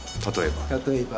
例えば。